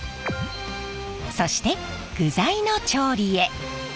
そして具材の調理へ。